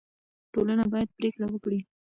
ټولنه باید پرېکړه وکړي.